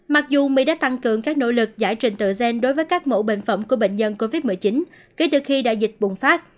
mặc dù mỹ đã tăng cường các nỗ lực giải trình tự gen đối với các mẫu bệnh phẩm của bệnh nhân covid một mươi chín kể từ khi đại dịch bùng phát